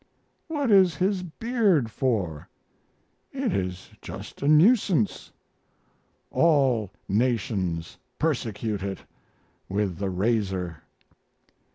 What is his beard for? It is just a nuisance. All nations persecute it with the razor.